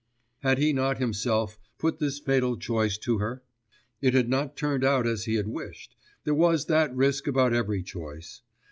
Had he not himself put this fatal choice to her? It had not turned out as he had wished ... there was that risk about every choice.